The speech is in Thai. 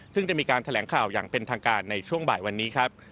ซึ่งจะมีการแถลงข่าวอย่างเป็นทางการในช่วงบ่ายวันนี้ครับ